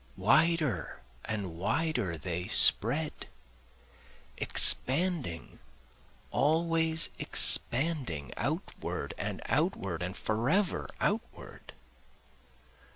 Wider and wider they spread, expanding, always expanding, Outward and outward and forever outward.